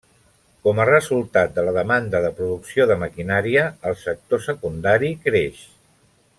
Com a resultat de la demanda de producció de maquinària, el sector secundari creix.